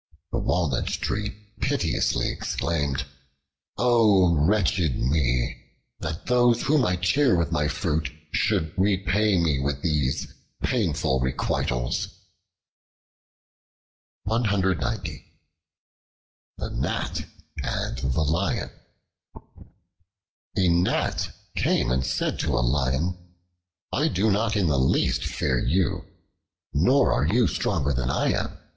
The Walnut Tree piteously exclaimed, "O wretched me! that those whom I cheer with my fruit should repay me with these painful requitals!" The Gnat and the Lion A GNAT came and said to a Lion, "I do not in the least fear you, nor are you stronger than I am.